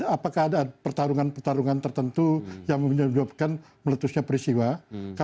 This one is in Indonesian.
apakah ada pertarungan pertarungan tertentu yang menyebabkan meletusnya peristiwa